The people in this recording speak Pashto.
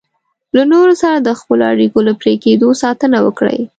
له نورو سره د خپلو اړیکو له پرې کېدو ساتنه وکړئ.